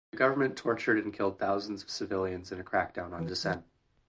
The government tortured and killed thousands of civilians in a crackdown on dissent.